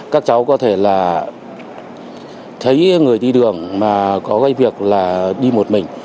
các cháu có thể là thấy người đi đường mà có việc đi một mình